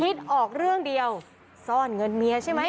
คิดออกเรื่องเดียวซ่อนเงินเมียใช่ไหม